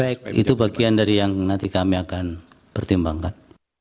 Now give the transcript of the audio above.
baik itu bagian dari yang nanti kami akan pertimbangkan